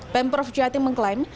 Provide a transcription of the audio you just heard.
pemprov jawa timur mengklaim